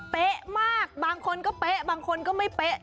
เป๊ะมากบางคนก็เป๊ะบางคนก็ไม่เป๊ะ